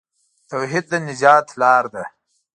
توحید د نجات لار ده.